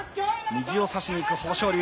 右を差しにいく豊昇龍。